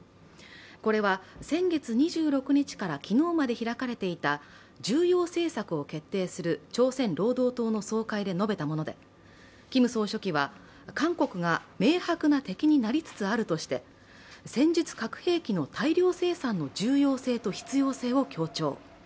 これは先月２６日から昨日まで開かれていた重要政策を決定する朝鮮労働党の総会で述べたものでキム総書記は韓国が明白な敵になりつつあるとして戦術核兵器の大量生産の重要性と必要性を強調。